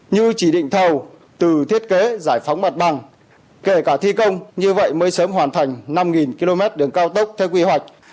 như chỉ định thầu từ thiết kế giải phóng mặt bằng kể cả thi công như vậy mới sớm hoàn thành năm km đường cao tốc theo quy hoạch